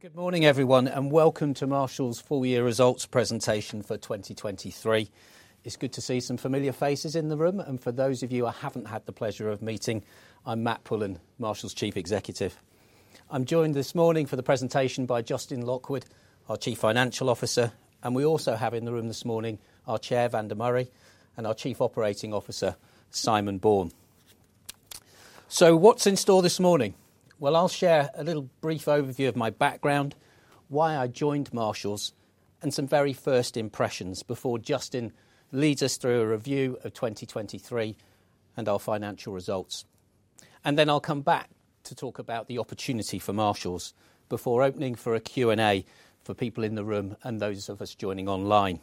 Good morning, everyone, and welcome to Marshalls' full-year results presentation for 2023. It's good to see some familiar faces in the room, and for those of you I haven't had the pleasure of meeting, I'm Matt Pullen, Marshalls' Chief Executive. I'm joined this morning for the presentation by Justin Lockwood, our Chief Financial Officer, and we also have in the room this morning our Chair, Vanda Murray, and our Chief Operating Officer, Simon Bourne. So what's in store this morning? Well, I'll share a little brief overview of my background, why I joined Marshalls, and some very first impressions before Justin leads us through a review of 2023 and our financial results. And then I'll come back to talk about the opportunity for Marshalls before opening for a Q&A for people in the room and those of us joining online.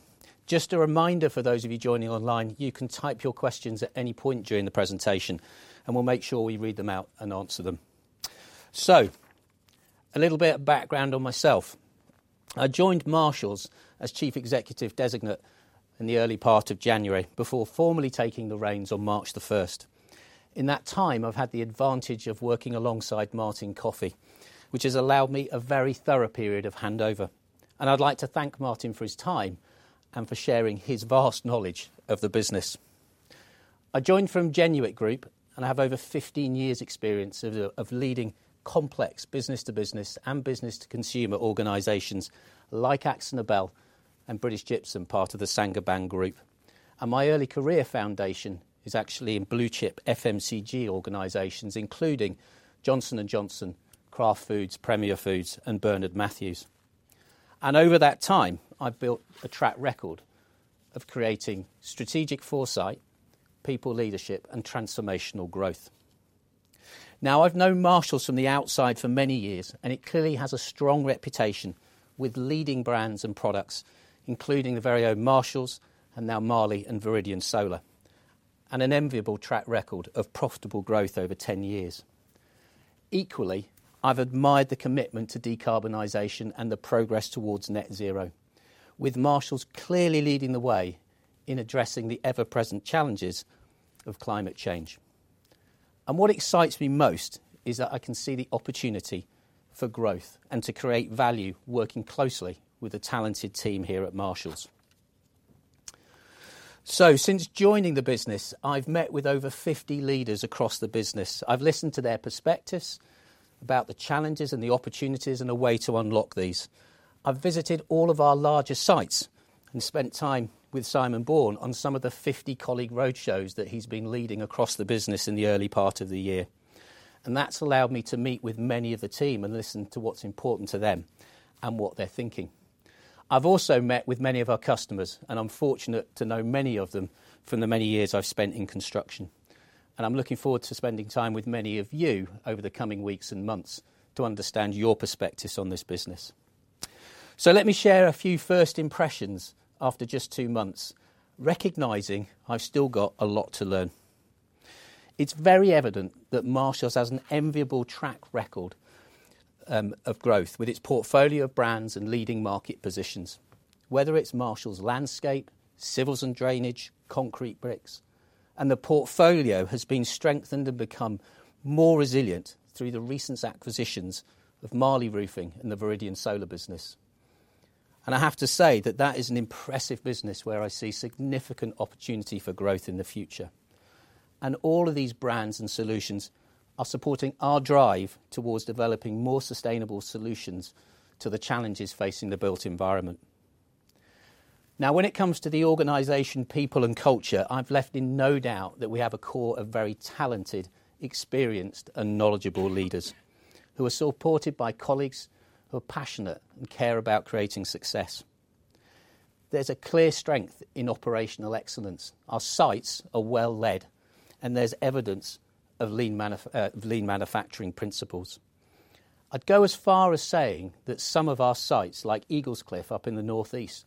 Just a reminder for those of you joining online, you can type your questions at any point during the presentation, and we'll make sure we read them out and answer them. So, a little bit of background on myself. I joined Marshalls as Chief Executive Designate in the early part of January before formally taking the reins on March 1. In that time, I've had the advantage of working alongside Martyn Coffey, which has allowed me a very thorough period of handover. I'd like to thank Martyn for his time and for sharing his vast knowledge of the business. I joined from Genuit Group, and I have over 15 years' experience of leading complex business-to-business and business-to-consumer organizations like AkzoNobel and British Gypsum and part of the Saint-Gobain Group. My early career foundation is actually in blue-chip FMCG organizations, including Johnson & Johnson, Kraft Foods, Premier Foods, and Bernard Matthews. Over that time, I've built a track record of creating strategic foresight, people leadership, and transformational growth. Now, I've known Marshalls from the outside for many years, and it clearly has a strong reputation with leading brands and products, including the very own Marshalls and now Marley and Viridian Solar, and an enviable track record of profitable growth over 10 years. Equally, I've admired the commitment to decarbonization and the progress towards Net Zero, with Marshalls clearly leading the way in addressing the ever-present challenges of climate change. What excites me most is that I can see the opportunity for growth and to create value working closely with a talented team here at Marshalls. Since joining the business, I've met with over 50 leaders across the business. I've listened to their perspectives about the challenges and the opportunities and a way to unlock these. I've visited all of our larger sites and spent time with Simon Bourne on some of the 50 colleague roadshows that he's been leading across the business in the early part of the year. That's allowed me to meet with many of the team and listen to what's important to them and what they're thinking. I've also met with many of our customers, and I'm fortunate to know many of them from the many years I've spent in construction. I'm looking forward to spending time with many of you over the coming weeks and months to understand your perspectives on this business. Let me share a few first impressions after just two months, recognizing I've still got a lot to learn. It's very evident that Marshalls has an enviable track record of growth with its portfolio of brands and leading market positions. Whether it's Marshalls' landscape, civils and drainage, concrete bricks, and the portfolio has been strengthened and become more resilient through the recent acquisitions of Marley Roofing and the Viridian Solar business. I have to say that that is an impressive business where I see significant opportunity for growth in the future. All of these brands and solutions are supporting our drive towards developing more sustainable solutions to the challenges facing the built environment. Now, when it comes to the organization, people, and culture, I've left in no doubt that we have a core of very talented, experienced, and knowledgeable leaders who are supported by colleagues who are passionate and care about creating success. There's a clear strength in operational excellence. Our sites are well-led, and there's evidence of lean manufacturing principles. I'd go as far as saying that some of our sites, like Eaglescliffe up in the northeast,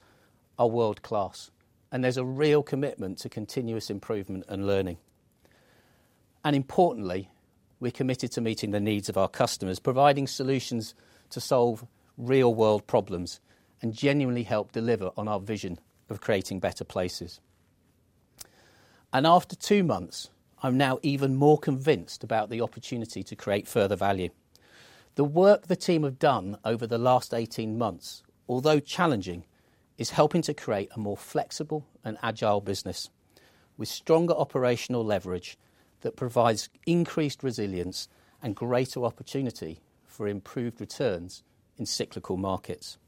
are world-class, and there's a real commitment to continuous improvement and learning. Importantly, we're committed to meeting the needs of our customers, providing solutions to solve real-world problems and genuinely help deliver on our vision of creating better places. After two months, I'm now even more convinced about the opportunity to create further value. The work the team have done over the last 18 months, although challenging, is helping to create a more flexible and agile business with stronger operational leverage that provides increased resilience and greater opportunity for improved returns in cyclical markets.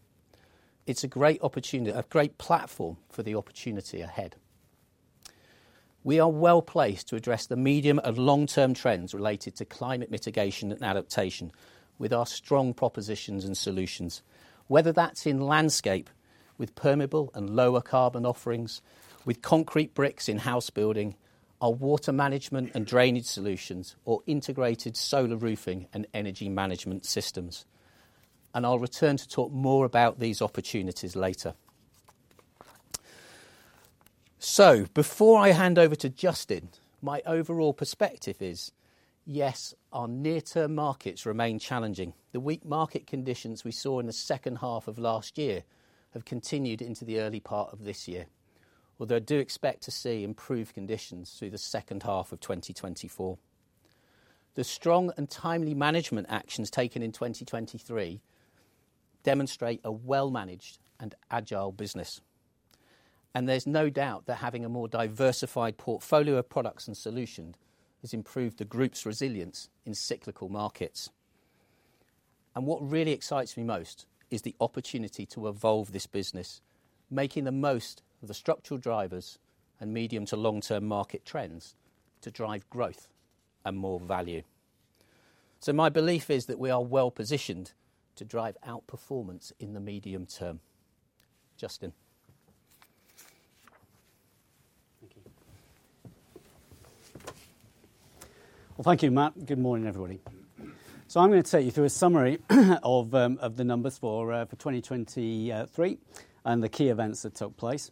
It's a great platform for the opportunity ahead. We are well-placed to address the medium and long-term trends related to climate mitigation and adaptation with our strong propositions and solutions. Whether that's in landscape with permeable and lower-carbon offerings, with concrete bricks in house building, our water management and drainage solutions, or integrated solar roofing and energy management systems. I'll return to talk more about these opportunities later. Before I hand over to Justin, my overall perspective is, yes, our near-term markets remain challenging. The weak market conditions we saw in the second half of last year have continued into the early part of this year, although I do expect to see improved conditions through the second half of 2024. The strong and timely management actions taken in 2023 demonstrate a well-managed and agile business. There's no doubt that having a more diversified portfolio of products and solutions has improved the group's resilience in cyclical markets. What really excites me most is the opportunity to evolve this business, making the most of the structural drivers and medium to long-term market trends to drive growth and more value. My belief is that we are well-positioned to drive outperformance in the medium term. Justin. Thank you. Well, thank you, Matt. Good morning, everybody. So I'm going to take you through a summary of the numbers for 2023 and the key events that took place.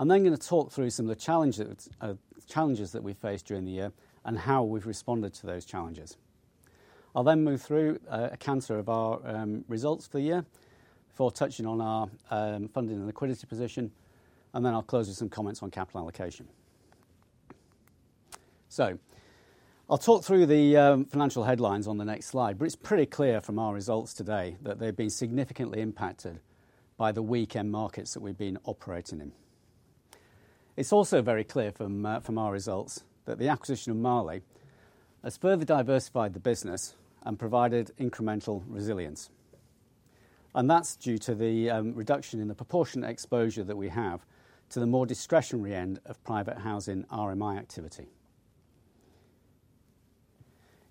I'm then going to talk through some of the challenges that we faced during the year and how we've responded to those challenges. I'll then move through an analysis of our results for the year before touching on our funding and liquidity position, and then I'll close with some comments on capital allocation. So I'll talk through the financial headlines on the next slide, but it's pretty clear from our results today that they've been significantly impacted by the weak end markets that we've been operating in. It's also very clear from our results that the acquisition of Marley has further diversified the business and provided incremental resilience. That's due to the reduction in the proportional exposure that we have to the more discretionary end of private housing RMI activity.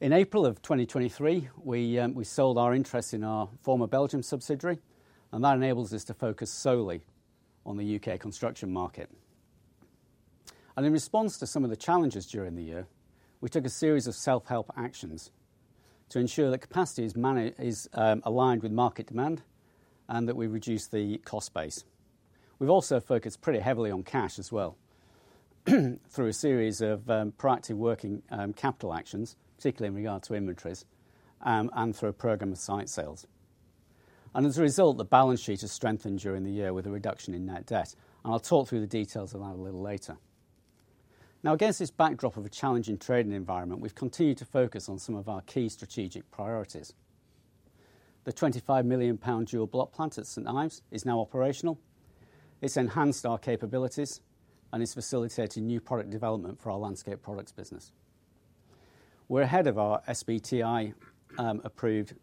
In April of 2023, we sold our interest in our former Belgium subsidiary, and that enables us to focus solely on the UK construction market. In response to some of the challenges during the year, we took a series of self-help actions to ensure that capacity is aligned with market demand and that we reduce the cost base. We've also focused pretty heavily on cash as well through a series of proactive working capital actions, particularly in regard to inventories, and through a program of site sales. As a result, the balance sheet has strengthened during the year with a reduction in net debt, and I'll talk through the details of that a little later. Now, against this backdrop of a challenging trading environment, we've continued to focus on some of our key strategic priorities. The 25 million pound dual-block plant at St Ives is now operational. It's enhanced our capabilities, and it's facilitated new product development for our Landscape Products business. We're ahead of our SBTi-approved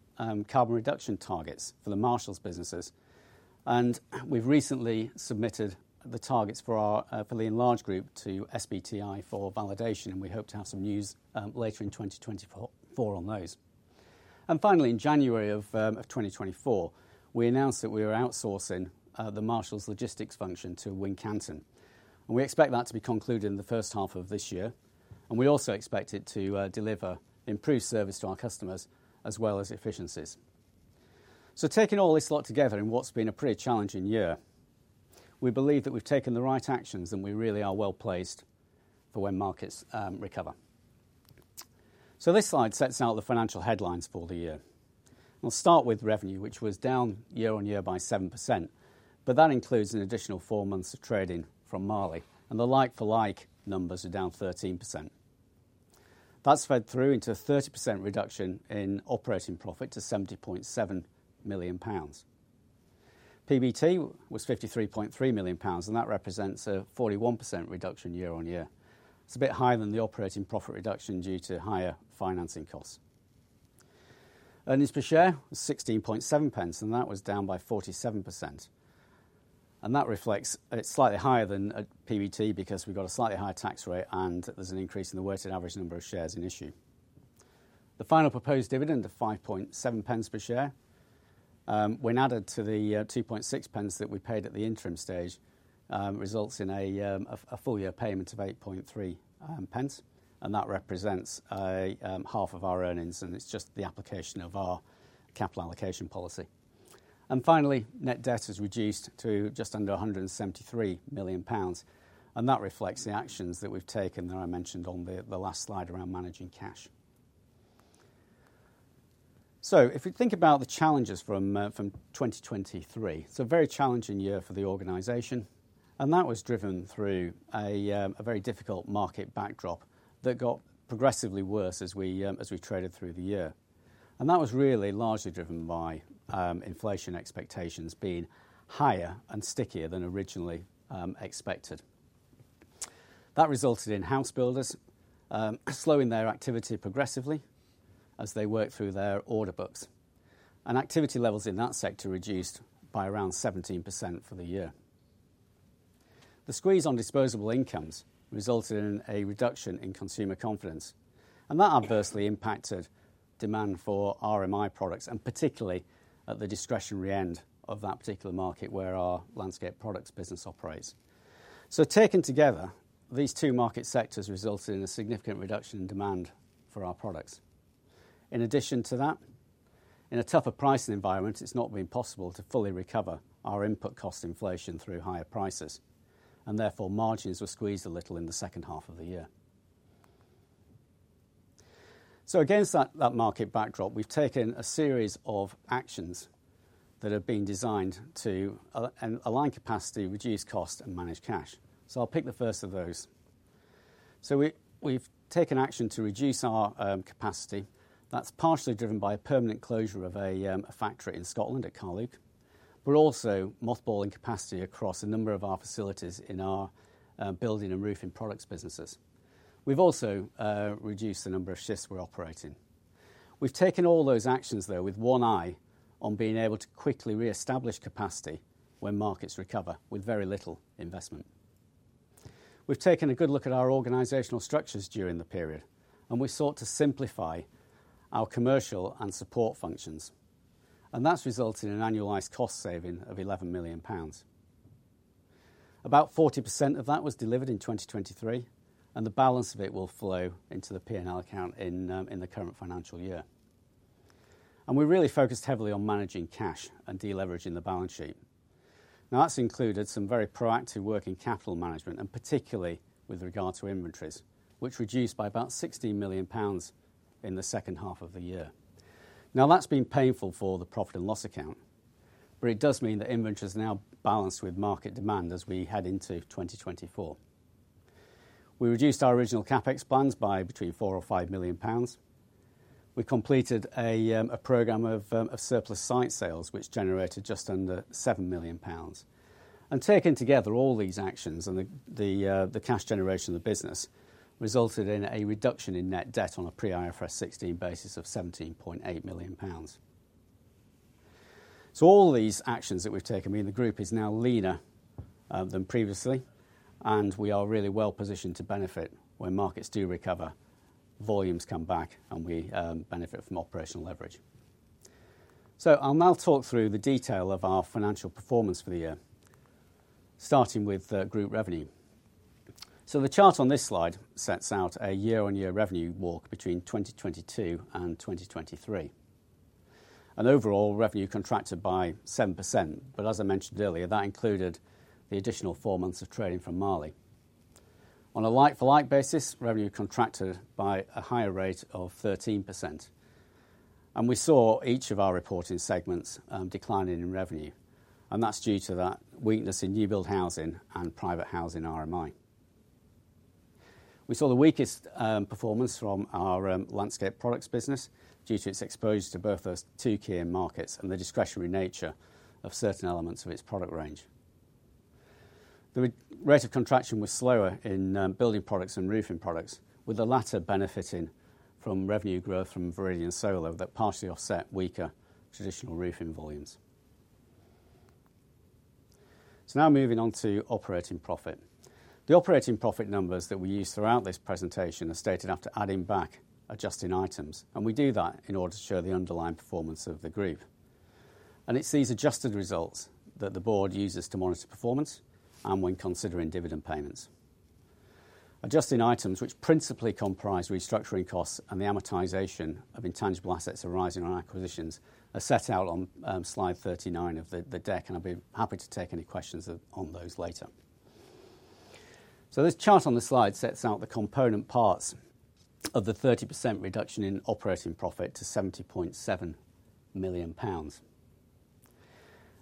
carbon reduction targets for the Marshalls businesses, and we've recently submitted the targets for the Enlarged Group to SBTi for validation, and we hope to have some news later in 2024 on those. Finally, in January of 2024, we announced that we were outsourcing the Marshalls logistics function to Wincanton. We expect that to be concluded in the first half of this year, and we also expect it to deliver improved service to our customers as well as efficiencies. So taking all this lot together in what's been a pretty challenging year, we believe that we've taken the right actions and we really are well-placed for when markets recover. So this slide sets out the financial headlines for the year. I'll start with revenue, which was down year-on-year by 7%, but that includes an additional four months of trading from Marley, and the like-for-like numbers are down 13%. That's fed through into a 30% reduction in operating profit to 70.7 million pounds. PBT was 53.3 million pounds, and that represents a 41% reduction year-on-year. It's a bit higher than the operating profit reduction due to higher financing costs. Earnings per share was 16.7 pence and that was down by 47%. That reflects it's slightly higher than PBT because we've got a slightly higher tax rate and there's an increase in the weighted average number of shares in issue. The final proposed dividend of 5.7 pence per share, when added to the 2.6 pence that we paid at the interim stage, results in a full-year payment of 8.3 pence, and that represents half of our earnings, and it's just the application of our capital allocation policy. Finally, net debt has reduced to just under 173 million pounds, and that reflects the actions that we've taken that I mentioned on the last slide around managing cash. If we think about the challenges from 2023, it's a very challenging year for the organization, and that was driven through a very difficult market backdrop that got progressively worse as we traded through the year. That was really largely driven by inflation expectations being higher and stickier than originally expected. That resulted in house builders slowing their activity progressively as they worked through their order books, and activity levels in that sector reduced by around 17% for the year. The squeeze on disposable incomes resulted in a reduction in consumer confidence, and that adversely impacted demand for RMI products, and particularly at the discretionary end of that particular market where our Landscape Products business operates. So taken together, these two market sectors resulted in a significant reduction in demand for our products. In addition to that, in a tougher pricing environment, it's not been possible to fully recover our input cost inflation through higher prices, and therefore margins were squeezed a little in the second half of the year. So against that market backdrop, we've taken a series of actions that have been designed to align capacity, reduce cost, and manage cash. So I'll pick the first of those. So we've taken action to reduce our capacity. That's partially driven by a permanent closure of a factory in Scotland at Carluke, but also mothballing capacity across a number of our facilities in our building and roofing products businesses. We've also reduced the number of shifts we're operating. We've taken all those actions, though, with one eye on being able to quickly re-establish capacity when markets recover with very little investment. We've taken a good look at our organizational structures during the period, and we sought to simplify our commercial and support functions. And that's resulted in an annualized cost saving of 11 million pounds. About 40% of that was delivered in 2023, and the balance of it will flow into the P&L account in the current financial year. We really focused heavily on managing cash and de-leveraging the balance sheet. Now, that's included some very proactive work in capital management, and particularly with regard to inventories, which reduced by about 16 million pounds in the second half of the year. Now, that's been painful for the profit and loss account, but it does mean that inventory is now balanced with market demand as we head into 2024. We reduced our original CapEx plans by between 4 or 5 million pounds. We completed a program of surplus site sales, which generated just under 7 million pounds. Taken together, all these actions and the cash generation of the business resulted in a reduction in net debt on a pre-IFRS 16 basis of 17.8 million pounds. So all these actions that we've taken, I mean, the group is now leaner than previously, and we are really well-positioned to benefit when markets do recover, volumes come back, and we benefit from operational leverage. So I'll now talk through the detail of our financial performance for the year, starting with group revenue. So the chart on this slide sets out a year-on-year revenue walk between 2022 and 2023, and overall revenue contracted by 7%, but as I mentioned earlier, that included the additional 4 months of trading from Marley. On a like-for-like basis, revenue contracted by a higher rate of 13%. And we saw each of our reporting segments declining in revenue, and that's due to that weakness in new-built housing and private housing RMI. We saw the weakest performance from our Landscape Products business due to its exposure to both those two key end markets and the discretionary nature of certain elements of its product range. The rate of contraction was slower in Building Products and roofing products, with the latter benefiting from revenue growth from Viridian Solar that partially offset weaker traditional roofing volumes. So now moving on to operating profit. The operating profit numbers that we use throughout this presentation are stated after adding back adjusting items, and we do that in order to show the underlying performance of the group. And it's these adjusted results that the board uses to monitor performance and when considering dividend payments. Adjusting items, which principally comprise restructuring costs and the amortization of intangible assets arising on acquisitions, are set out on slide 39 of the deck, and I'll be happy to take any questions on those later. This chart on the slide sets out the component parts of the 30% reduction in operating profit to 70.7 million pounds.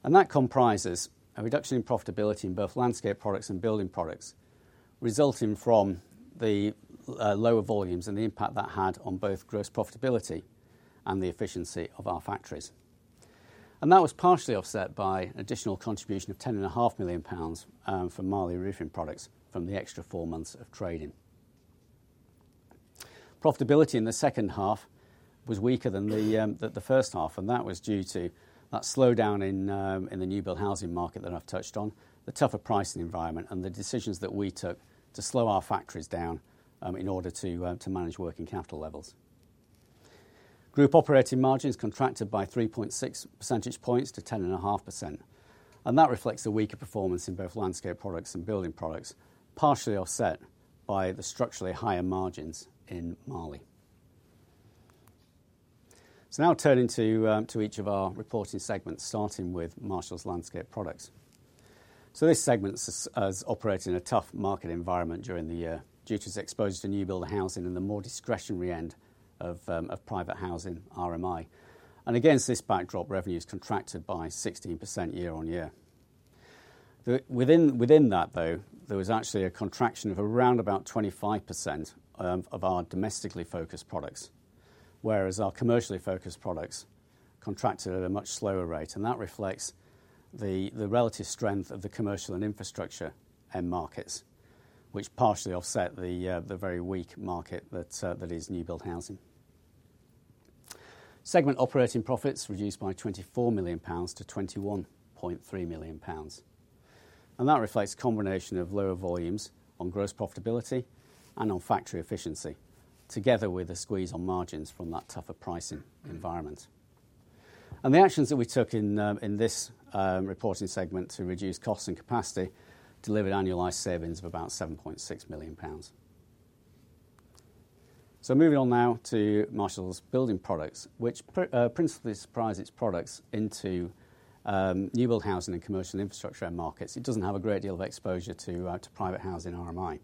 And that comprises a reduction in profitability in both Landscape Products and Building Products, resulting from the lower volumes and the impact that had on both gross profitability and the efficiency of our factories. And that was partially offset by an additional contribution of 10.5 million pounds from Marley Roofing Products from the extra four months of trading. Profitability in the second half was weaker than the first half, and that was due to that slowdown in the new-built housing market that I've touched on, the tougher pricing environment, and the decisions that we took to slow our factories down in order to manage working capital levels. Group operating margins contracted by 3.6 percentage points to 10.5%, and that reflects a weaker performance in both Landscape Products and Building Products, partially offset by the structurally higher margins in Marley. Now turning to each of our reporting segments, starting with Marshalls Landscape Products. This segment is operating in a tough market environment during the year due to its exposure to new-builder housing and the more discretionary end of private housing RMI. Against this backdrop, revenue has contracted by 16% year-on-year. Within that, though, there was actually a contraction of around about 25% of our domestically focused products, whereas our commercially focused products contracted at a much slower rate, and that reflects the relative strength of the commercial and infrastructure end markets, which partially offset the very weak market that is new-built housing. Segment operating profits reduced by 24 million pounds to 21.3 million pounds. That reflects a combination of lower volumes on gross profitability and on factory efficiency, together with a squeeze on margins from that tougher pricing environment. The actions that we took in this reporting segment to reduce costs and capacity delivered annualized savings of about 7.6 million pounds. Moving on now to Marshalls Building Products, which principally supplies its products into new-built housing and commercial infrastructure end markets. It doesn't have a great deal of exposure to private housing RMI.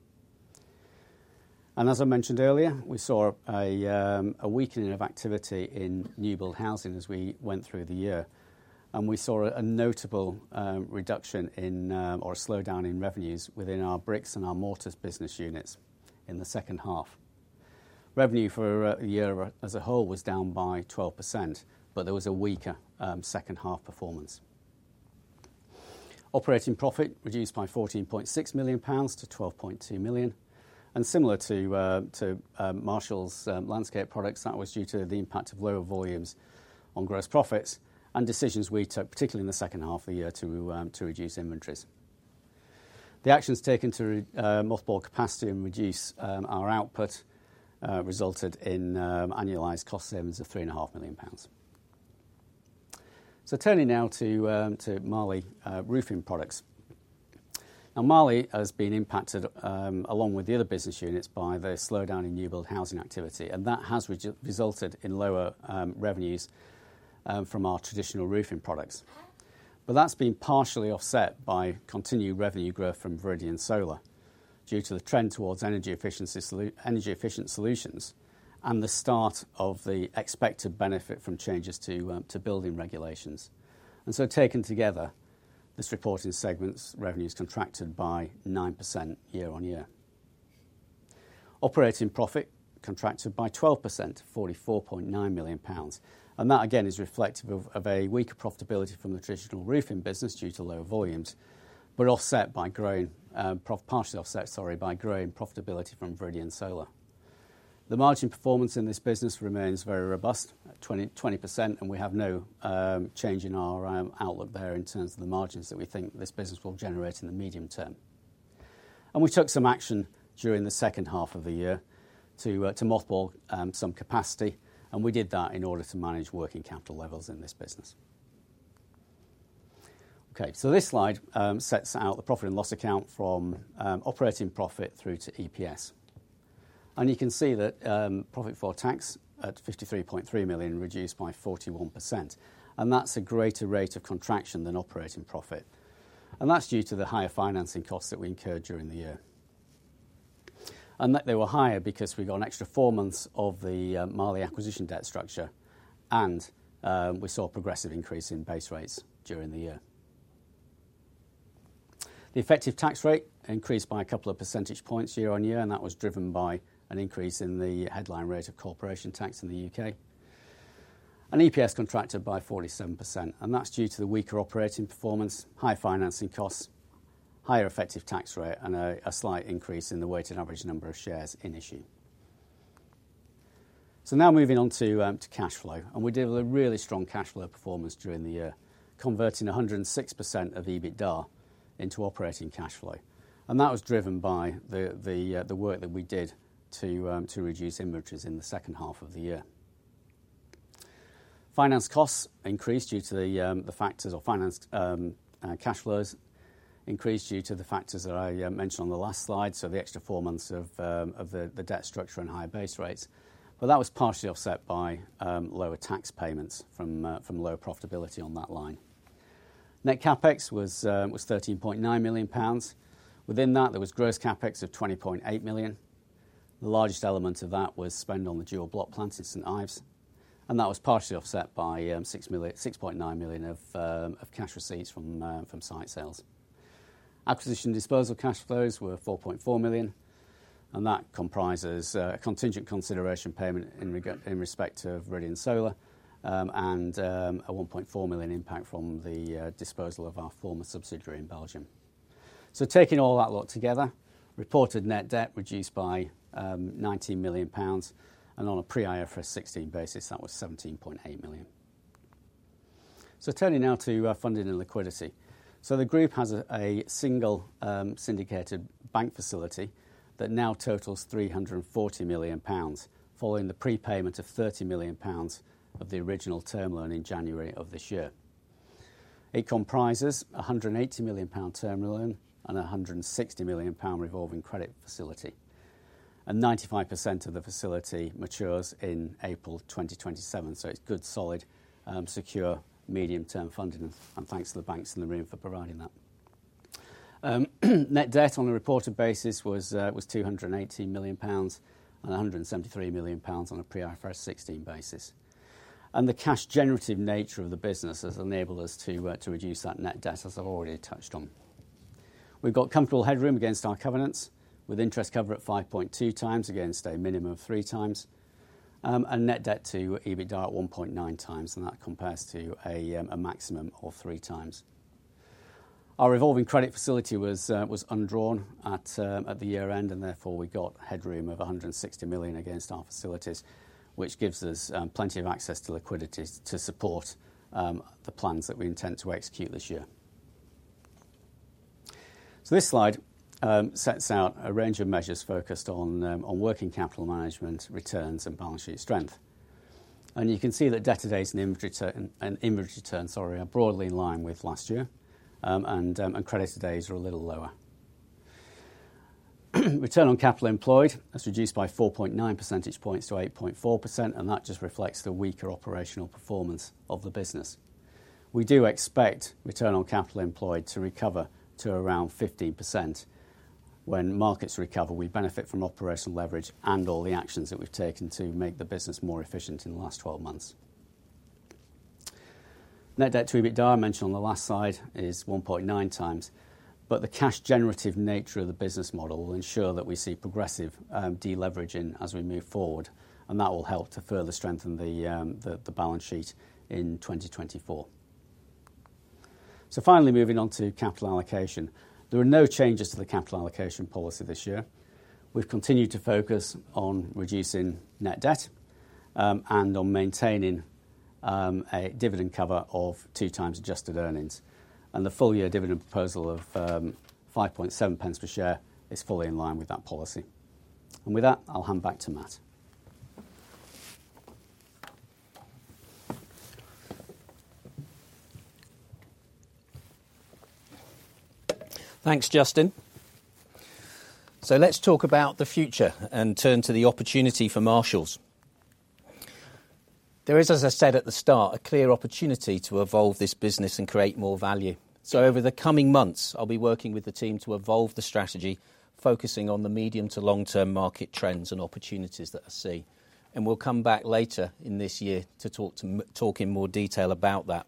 As I mentioned earlier, we saw a weakening of activity in new-built housing as we went through the year, and we saw a notable reduction or a slowdown in revenues within our bricks and our mortars business units in the second half. Revenue for the year as a whole was down by 12%, but there was a weaker second-half performance. Operating profit reduced by 14.6 million pounds to 12.2 million. Similar to Marshalls Landscape Products, that was due to the impact of lower volumes on gross profits and decisions we took, particularly in the second half of the year, to reduce inventories. The actions taken to mothball capacity and reduce our output resulted in annualised cost savings of 3.5 million pounds. Turning now to Marley Roofing Products. Now, Marley has been impacted along with the other business units by the slowdown in new-built housing activity, and that has resulted in lower revenues from our traditional roofing products. That's been partially offset by continued revenue growth from Viridian Solar due to the trend towards energy-efficient solutions and the start of the expected benefit from changes to building regulations. Taken together, this reporting segment's revenue has contracted by 9% year-over-year. Operating profit contracted by 12%, 44.9 million pounds. That, again, is reflective of a weaker profitability from the traditional roofing business due to lower volumes, but partially offset by growing profitability from Viridian Solar. The margin performance in this business remains very robust, 20%, and we have no change in our outlook there in terms of the margins that we think this business will generate in the medium term. We took some action during the second half of the year to mothball some capacity, and we did that in order to manage working capital levels in this business. Okay, so this slide sets out the profit and loss account from operating profit through to EPS. And you can see that profit before tax at 53.3 million reduced by 41%, and that's a greater rate of contraction than operating profit. And that's due to the higher financing costs that we incurred during the year. And they were higher because we got an extra four months of the Marley acquisition debt structure, and we saw a progressive increase in base rates during the year. The effective tax rate increased by a couple of percentage points year-over-year, and that was driven by an increase in the headline rate of corporation tax in the U.K. EPS contracted by 47%, and that's due to the weaker operating performance, higher financing costs, higher effective tax rate, and a slight increase in the weighted average number of shares in issue. Now moving on to cash flow, and we did a really strong cash flow performance during the year, converting 106% of EBITDA into operating cash flow. And that was driven by the work that we did to reduce inventories in the second half of the year. Finance costs increased due to the factors or cash flows increased due to the factors that I mentioned on the last slide, so the extra 4 months of the debt structure and higher base rates. But that was partially offset by lower tax payments from lower profitability on that line. Net CapEx was 13.9 million pounds. Within that, there was gross CapEx of 20.8 million. The largest element of that was spend on the dual block plant at St. Ives. That was partially offset by 6.9 million of cash receipts from site sales. Acquisition disposal cash flows were 4.4 million, and that comprises a contingent consideration payment in respect of Viridian Solar and a 1.4 million impact from the disposal of our former subsidiary in Belgium. Taking all that lot together, reported net debt reduced by 19 million pounds, and on a pre-IFRS 16 basis, that was 17.8 million. Turning now to funding and liquidity. The group has a single syndicated bank facility that now totals 340 million pounds following the prepayment of 30 million pounds of the original term loan in January of this year. It comprises a 180 million pound term loan and a 160 million pound revolving credit facility. 95% of the facility matures in April 2027, so it's good, solid, secure, medium-term funding, and thanks to the banks in the room for providing that. Net debt on a reported basis was 218 million pounds and 173 million pounds on a pre-IFRS 16 basis. The cash-generative nature of the business has enabled us to reduce that net debt, as I've already touched on. We've got comfortable headroom against our covenants with interest cover at 5.2 times against a minimum of three times and net debt to EBITDA at 1.9 x, and that compares to a maximum of three times. Our revolving credit facility was undrawn at the year-end, and therefore we got headroom of 160 million against our facilities, which gives us plenty of access to liquidity to support the plans that we intend to execute this year. This slide sets out a range of measures focused on working capital management, returns, and balance sheet strength. You can see that debtor days and inventory turns are broadly in line with last year, and creditor days are a little lower. Return on capital employed has reduced by 4.9 percentage points to 8.4%, and that just reflects the weaker operational performance of the business. We do expect return on capital employed to recover to around 15%. When markets recover, we benefit from operational leverage and all the actions that we've taken to make the business more efficient in the last 12 months. Net debt to EBITDA, I mentioned on the last slide, is 1.9 times, but the cash-generative nature of the business model will ensure that we see progressive deleveraging as we move forward, and that will help to further strengthen the balance sheet in 2024. So finally, moving on to capital allocation. There are no changes to the capital allocation policy this year. We've continued to focus on reducing net debt and on maintaining a dividend cover of two times adjusted earnings. The full-year dividend proposal of 5.7 per share is fully in line with that policy. With that, I'll hand back to Matt. Thanks, Justin. So let's talk about the future and turn to the opportunity for Marshalls. There is, as I said at the start, a clear opportunity to evolve this business and create more value. So over the coming months, I'll be working with the team to evolve the strategy, focusing on the medium to long-term market trends and opportunities that I see. We'll come back later in this year to talk in more detail about that.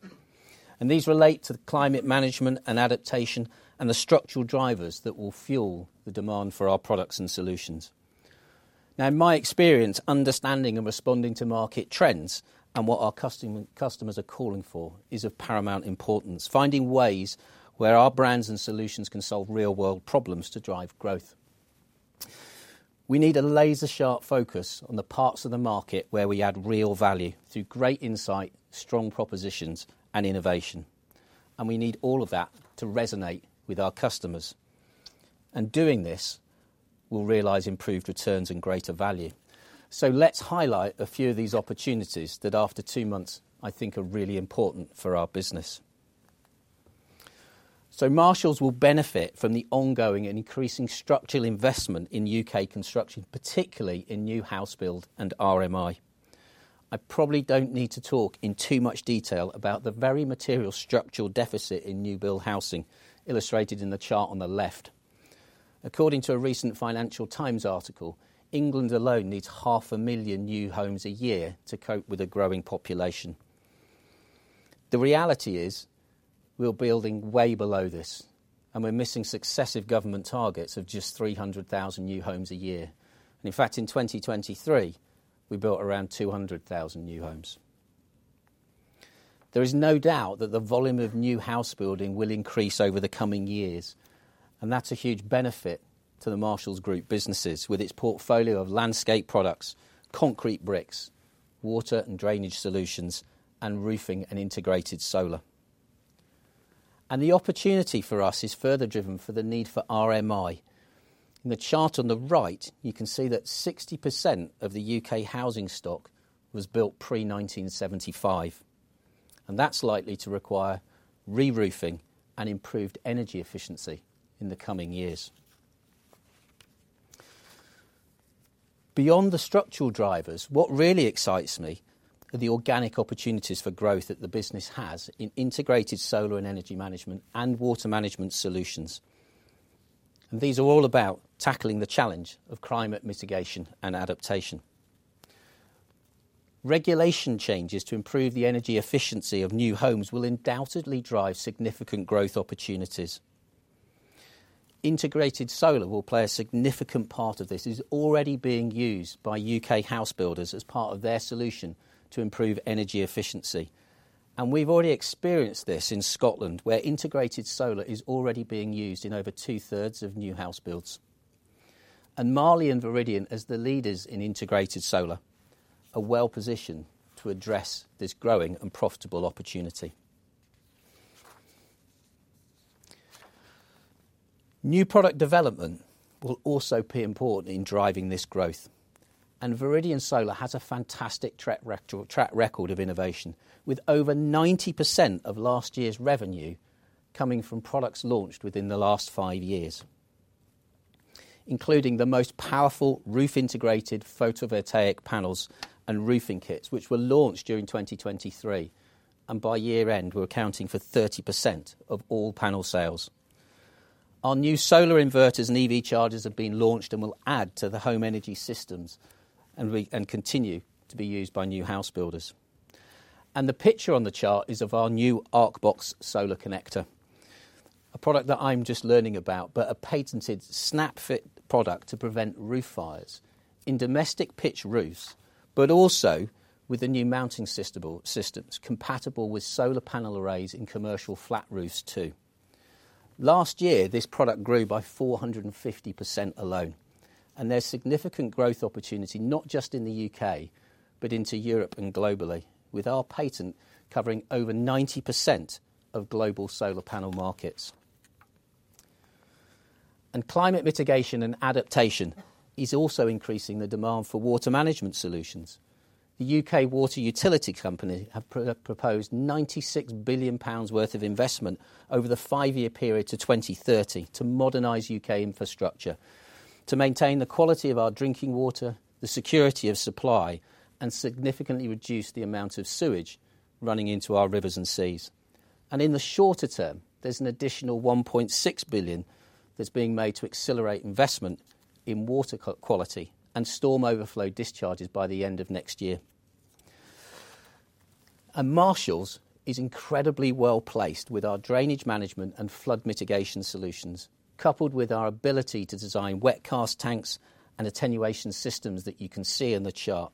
These relate to climate management and adaptation and the structural drivers that will fuel the demand for our products and solutions. Now, in my experience, understanding and responding to market trends and what our customers are calling for is of paramount importance, finding ways where our brands and solutions can solve real-world problems to drive growth. We need a laser-sharp focus on the parts of the market where we add real value through great insight, strong propositions, and innovation. We need all of that to resonate with our customers. Doing this will realize improved returns and greater value. Let's highlight a few of these opportunities that, after two months, I think are really important for our business. Marshalls will benefit from the ongoing and increasing structural investment in U.K. construction, particularly in new house build and RMI. I probably don't need to talk in too much detail about the very material structural deficit in new-built housing illustrated in the chart on the left. According to a recent Financial Times article, England alone needs 500,000 new homes a year to cope with a growing population. The reality is we're building way below this, and we're missing successive government targets of just 300,000 new homes a year. In fact, in 2023, we built around 200,000 new homes. There is no doubt that the volume of new house building will increase over the coming years, and that's a huge benefit to the Marshalls Group businesses with its portfolio of Landscape Products, concrete bricks, water and drainage solutions, and roofing and integrated solar. The opportunity for us is further driven by the need for RMI. In the chart on the right, you can see that 60% of the U.K. housing stock was built pre-1975, and that's likely to require reroofing and improved energy efficiency in the coming years. Beyond the structural drivers, what really excites me are the organic opportunities for growth that the business has in integrated solar and energy management and water management solutions. And these are all about tackling the challenge of climate mitigation and adaptation. Regulation changes to improve the energy efficiency of new homes will undoubtedly drive significant growth opportunities. Integrated solar will play a significant part of this. It is already being used by U.K. house builders as part of their solution to improve energy efficiency. And we've already experienced this in Scotland, where integrated solar is already being used in over two-thirds of new house builds. Marley and Viridian as the leaders in integrated solar are well positioned to address this growing and profitable opportunity. New product development will also be important in driving this growth. Viridian Solar has a fantastic track record of innovation, with over 90% of last year's revenue coming from products launched within the last five years, including the most powerful roof-integrated photovoltaic panels and roofing kits, which were launched during 2023 and by year-end were accounting for 30% of all panel sales. Our new solar inverters and EV chargers have been launched and will add to the home energy systems and continue to be used by new house builders. The picture on the chart is of our new ArcBox solar connector, a product that I'm just learning about, but a patented snap-fit product to prevent roof fires in domestic pitch roofs, but also with the new mounting systems compatible with solar panel arrays in commercial flat roofs too. Last year, this product grew by 450% alone, and there's significant growth opportunity not just in the UK, but into Europe and globally, with our patent covering over 90% of global solar panel markets. Climate mitigation and adaptation is also increasing the demand for water management solutions. The UK Water Utility Company have proposed 96 billion pounds worth of investment over the five-year period to 2030 to modernise UK infrastructure, to maintain the quality of our drinking water, the security of supply, and significantly reduce the amount of sewage running into our rivers and seas. In the shorter term, there's an additional 1.6 billion that's being made to accelerate investment in water quality and storm overflow discharges by the end of next year. Marshalls is incredibly well placed with our drainage management and flood mitigation solutions, coupled with our ability to design wet cast tanks and attenuation systems that you can see in the chart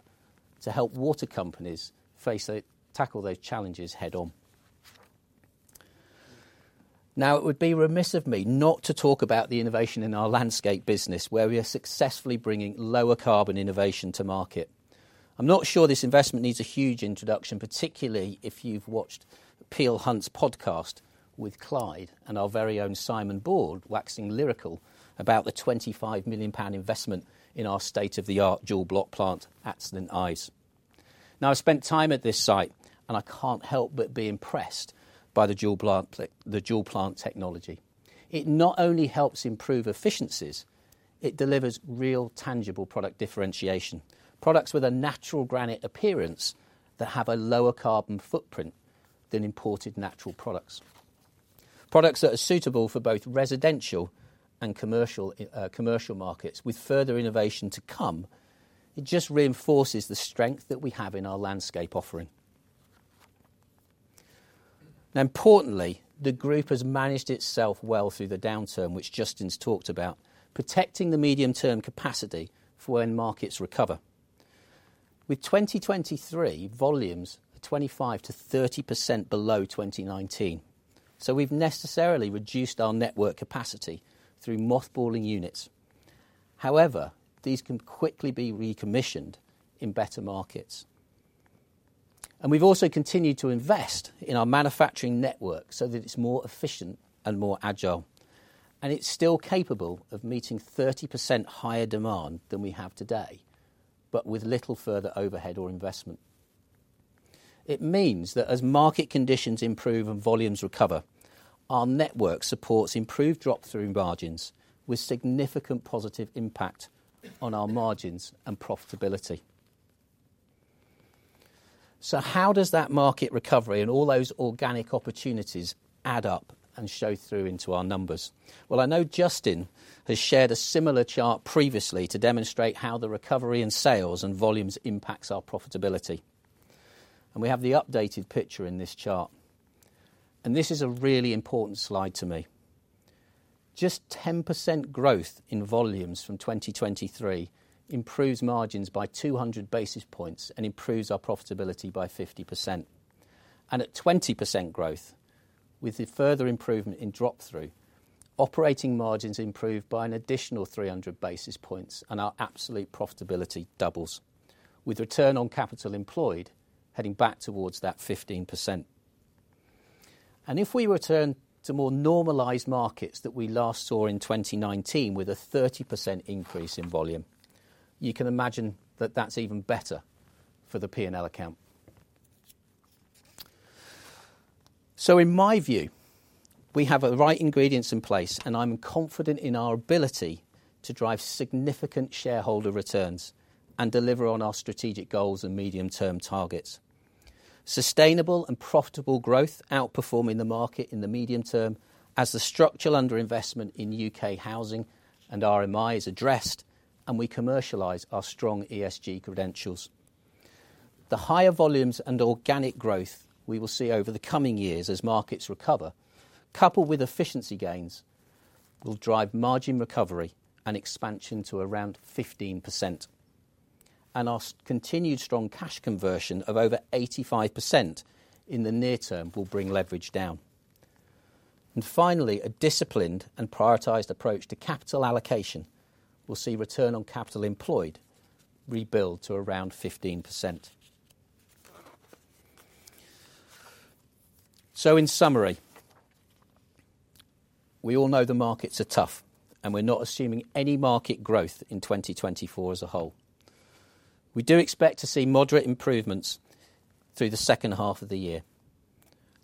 to help water companies tackle those challenges head-on. Now, it would be remiss of me not to talk about the innovation in our landscape business, where we are successfully bringing lower-carbon innovation to market. I'm not sure this investment needs a huge introduction, particularly if you've watched Peel Hunt's podcast with Clyde and our very own Simon Bourne waxing lyrical about the 25 million pound investment in our state-of-the-art dual block plant at St Ives. Now, I've spent time at this site, and I can't help but be impressed by the dual plant technology. It not only helps improve efficiencies, it delivers real, tangible product differentiation: products with a natural granite appearance that have a lower carbon footprint than imported natural products, products that are suitable for both residential and commercial markets with further innovation to come. It just reinforces the strength that we have in our landscape offering. Now, importantly, the group has managed itself well through the downturn, which Justin's talked about, protecting the medium-term capacity for when markets recover. With 2023 volumes 25%-30% below 2019, so we've necessarily reduced our network capacity through mothballing units. However, these can quickly be recommissioned in better markets. We've also continued to invest in our manufacturing network so that it's more efficient and more agile, and it's still capable of meeting 30% higher demand than we have today, but with little further overhead or investment. It means that as market conditions improve and volumes recover, our network supports improved drop-through margins with significant positive impact on our margins and profitability. So how does that market recovery and all those organic opportunities add up and show through into our numbers? Well, I know Justin has shared a similar chart previously to demonstrate how the recovery in sales and volumes impacts our profitability. We have the updated picture in this chart. This is a really important slide to me. Just 10% growth in volumes from 2023 improves margins by 200 basis points and improves our profitability by 50%. At 20% growth, with further improvement in drop-through, operating margins improve by an additional 300 basis points, and our absolute profitability doubles, with return on capital employed heading back towards that 15%. And if we return to more normalised markets that we last saw in 2019 with a 30% increase in volume, you can imagine that that's even better for the P&L account. So in my view, we have the right ingredients in place, and I'm confident in our ability to drive significant shareholder returns and deliver on our strategic goals and medium-term targets. Sustainable and profitable growth outperforming the market in the medium term as the structural underinvestment in UK housing and RMI is addressed, and we commercialise our strong ESG credentials. The higher volumes and organic growth we will see over the coming years as markets recover, coupled with efficiency gains, will drive margin recovery and expansion to around 15%. Our continued strong cash conversion of over 85% in the near term will bring leverage down. Finally, a disciplined and prioritized approach to capital allocation will see return on capital employed rebuild to around 15%. In summary, we all know the markets are tough, and we're not assuming any market growth in 2024 as a whole. We do expect to see moderate improvements through the second half of the year.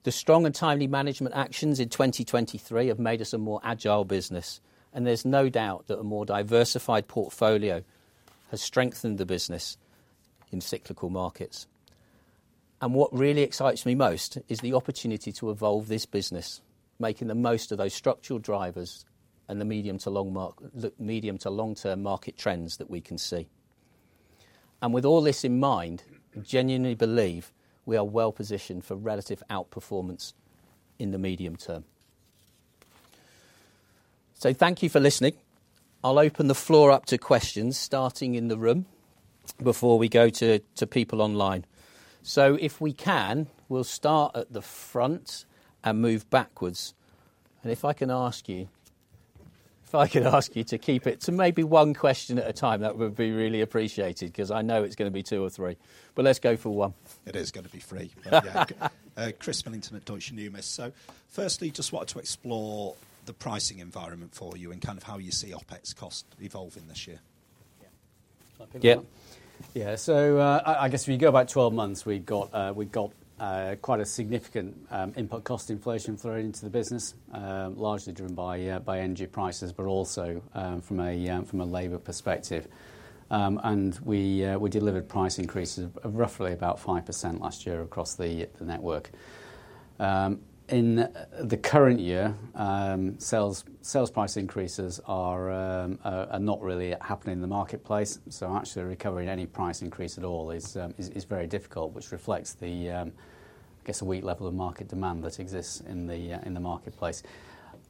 The strong and timely management actions in 2023 have made us a more agile business, and there's no doubt that a more diversified portfolio has strengthened the business in cyclical markets. And what really excites me most is the opportunity to evolve this business, making the most of those structural drivers and the medium to long-term market trends that we can see. And with all this in mind, I genuinely believe we are well positioned for relative outperformance in the medium term. So thank you for listening. I'll open the floor up to questions starting in the room before we go to people online. So if we can, we'll start at the front and move backwards. And if I can ask you to keep it to maybe one question at a time, that would be really appreciated because I know it's going to be two or three. But let's go for one. It is going to be three. Chris Millington at Deutsche Numis. So firstly, just wanted to explore the pricing environment for you and kind of how you see OpEx costs evolving this year. Yeah. Yeah. So I guess if you go about 12 months, we got quite a significant input cost inflation thrown into the business, largely driven by energy prices, but also from a labor perspective. And we delivered price increases of roughly about 5% last year across the network. In the current year, sales price increases are not really happening in the marketplace. So actually, recovering any price increase at all is very difficult, which reflects the, I guess, a weak level of market demand that exists in the marketplace.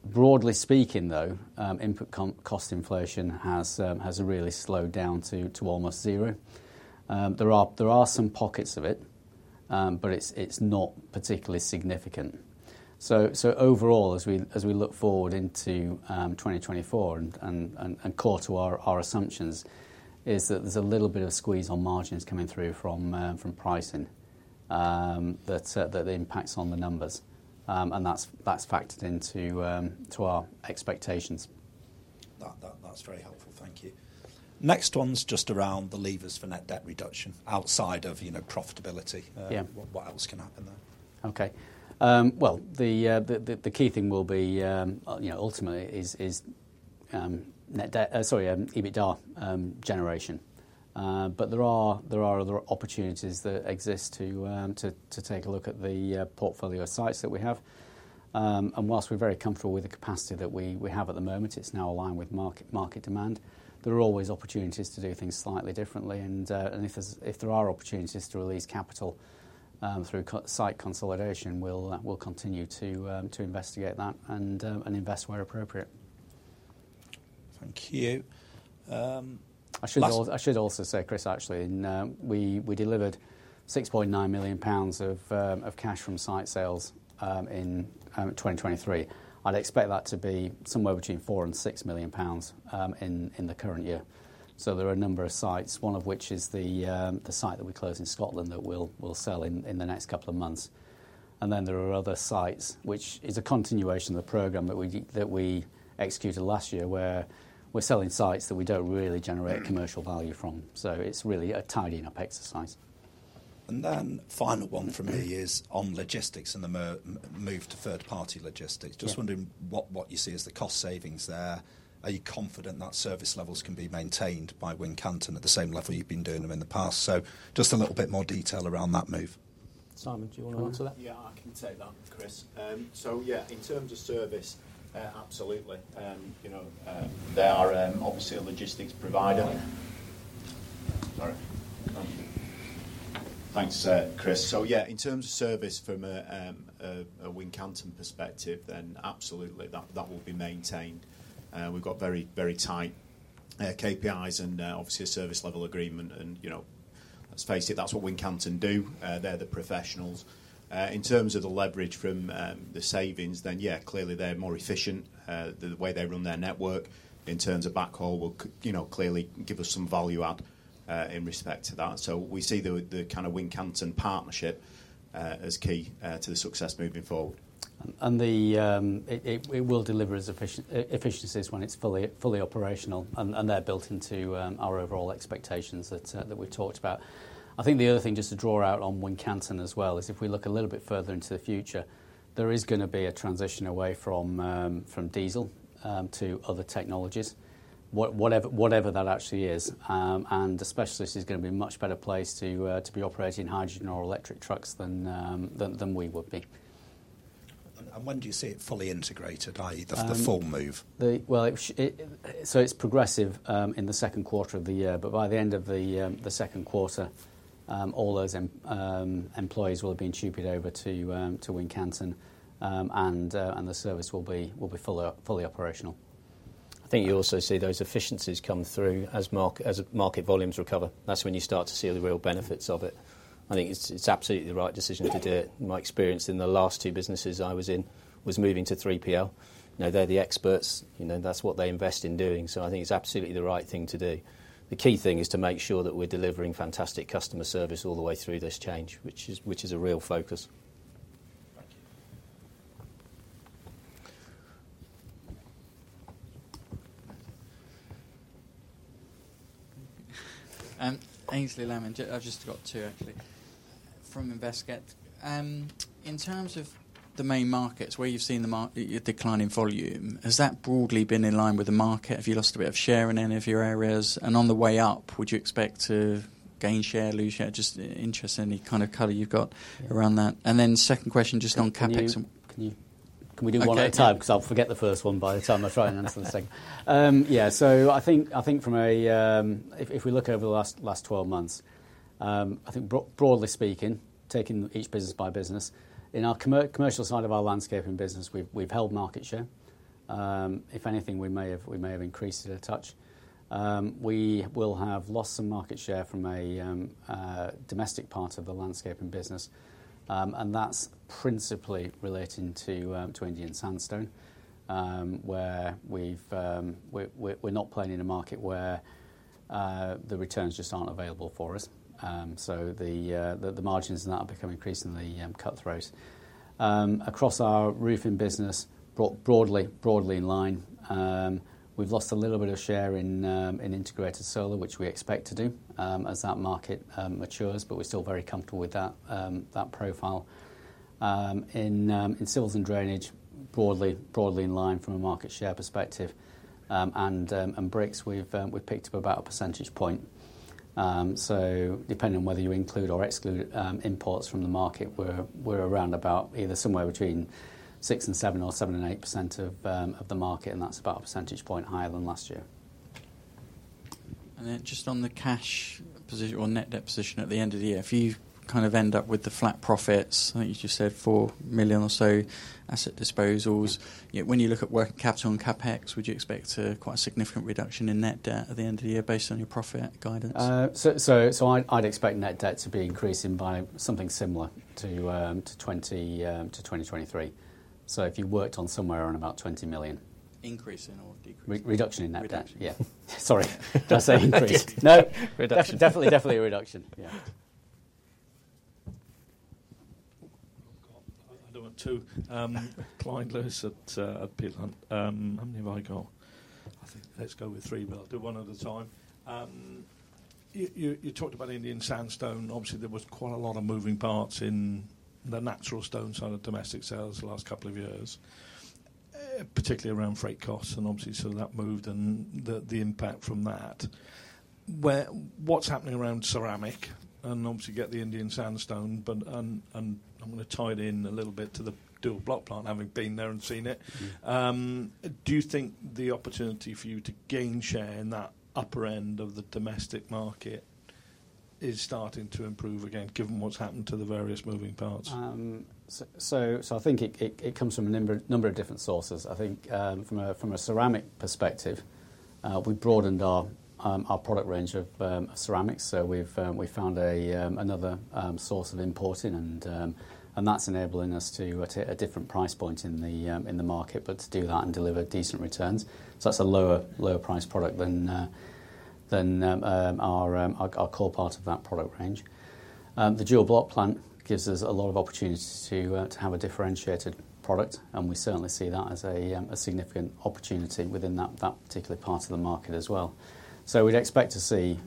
Broadly speaking, though, input cost inflation has really slowed down to almost zero. There are some pockets of it, but it's not particularly significant. So overall, as we look forward into 2024 and core to our assumptions is that there's a little bit of squeeze on margins coming through from pricing that impacts on the numbers, and that's factored into our expectations. That's very helpful. Thank you. Next one's just around the levers for net debt reduction outside of profitability. What else can happen there? Okay. Well, the key thing will be ultimately is net debt, sorry, EBITDA generation. There are other opportunities that exist to take a look at the portfolio sites that we have. While we're very comfortable with the capacity that we have at the moment, it's now aligned with market demand, there are always opportunities to do things slightly differently. If there are opportunities to release capital through site consolidation, we'll continue to investigate that and invest where appropriate. Thank you. I should also say, Chris, actually, we delivered 6.9 million pounds of cash from site sales in 2023. I'd expect that to be somewhere between 4 million and 6 million pounds in the current year. So there are a number of sites, one of which is the site that we close in Scotland that we'll sell in the next couple of months. And then there are other sites, which is a continuation of the programme that we executed last year, where we're selling sites that we don't really generate commercial value from. So it's really a tidying up exercise. And then final one for me is on logistics and the move to third-party logistics. Just wondering what you see as the cost savings there. Are you confident that service levels can be maintained by Wincanton at the same level you've been doing them in the past? So just a little bit more detail around that move. Simon, do you want to answer that? Yeah, I can take that, Chris. So yeah, in terms of service, absolutely. They are obviously a logistics provider. Sorry. Thanks, Chris. So yeah, in terms of service from a Wincanton perspective, then absolutely, that will be maintained. We've got very, very tight KPIs and obviously a service level agreement. And let's face it, that's what Wincanton do. They're the professionals. In terms of the leverage from the savings, then yeah, clearly they're more efficient. The way they run their network in terms of backhaul will clearly give us some value add in respect to that. So we see the kind of Wincanton partnership as key to the success moving forward. And it will deliver efficiencies when it's fully operational, and they're built into our overall expectations that we've talked about. I think the other thing, just to draw out on Wincanton as well, is if we look a little bit further into the future, there is going to be a transition away from diesel to other technologies, whatever that actually is. And especially, this is going to be a much better place to be operating hydrogen or electric trucks than we would be. When do you say fully integrated, i.e., the full move? Well, so it's progressive in the second quarter of the year. But by the end of the second quarter, all those employees will have been shipped over to Wincanton, and the service will be fully operational. I think you also see those efficiencies come through as market volumes recover. That's when you start to see the real benefits of it. I think it's absolutely the right decision to do it. My experience in the last two businesses I was in was moving to 3PL. They're the experts. That's what they invest in doing. So I think it's absolutely the right thing to do. The key thing is to make sure that we're delivering fantastic customer service all the way through this change, which is a real focus. Thank you. Aynsley Lammin, I've just got two, actually, from Investec. In terms of the main markets where you've seen the declining volume, has that broadly been in line with the market? Have you lost a bit of share in any of your areas? And on the way up, would you expect to gain share, lose share? Just interest in the kind of color you've got around that. And then second question, just on CapEx. Can you do one at a time? Because I'll forget the first one by the time I try and answer the second. Yeah. So I think, from a, if we look over the last 12 months, I think broadly speaking, taking each business by business, in our commercial side of our landscaping business, we've held market share. If anything, we may have increased it a touch. We will have lost some market share from a domestic part of the landscaping business. And that's principally relating to Indian sandstone, where we're not playing in a market where the returns just aren't available for us. So the margins in that have become increasingly cutthroat. Across our roofing business, broadly in line, we've lost a little bit of share in integrated solar, which we expect to do as that market matures. But we're still very comfortable with that profile. In civils and drainage, broadly in line from a market share perspective. Bricks, we've picked up about a percentage point. Depending on whether you include or exclude imports from the market, we're around about either somewhere between 6% and 7% or 7% and 8% of the market. That's about a percentage point higher than last year. Then just on the cash position or net debt position at the end of the year, if you kind of end up with the flat profits, I think you just said 4 million or so asset disposals. When you look at working capital on CapEx, would you expect quite a significant reduction in net debt at the end of the year based on your profit guidance? So I'd expect net debt to be increasing by something similar to 2023, so if you worked on somewhere around about 20 million. Increasing or decreasing? Reduction in net debt. Yeah. Sorry. Did I say increase? No. Reduction. Definitely, definitely a reduction. Yeah. And over to Clyde Lewis at Peel Hunt. How many have I got? I think let's go with three, but I'll do one at a time. You talked about Indian sandstone. Obviously, there was quite a lot of moving parts in the natural stone side of domestic sales the last couple of years, particularly around freight costs. Obviously, so that moved and the impact from that. What's happening around ceramic? Obviously, get the Indian sandstone. I'm going to tie it in a little bit to the dual block plant, having been there and seen it. Do you think the opportunity for you to gain share in that upper end of the domestic market is starting to improve again, given what's happened to the various moving parts? So I think it comes from a number of different sources. I think from a ceramic perspective, we broadened our product range of ceramics. So we found another source of importing, and that's enabling us to hit a different price point in the market, but to do that and deliver decent returns. So that's a lower price product than our core part of that product range. The dual block plant gives us a lot of opportunity to have a differentiated product. And we certainly see that as a significant opportunity within that particular part of the market as well. So we'd expect to see